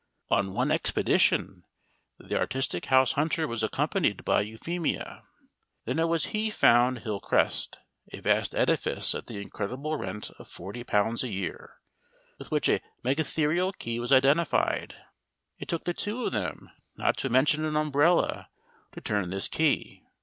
On one expedition the artistic house hunter was accompanied by Euphemia. Then it was he found Hill Crest, a vast edifice at the incredible rent of £40 a year, with which a Megatherial key was identified. It took the two of them, not to mention an umbrella, to turn this key.